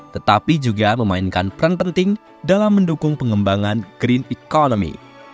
tetapi juga memainkan peran penting dalam mendukung pengembangan green economy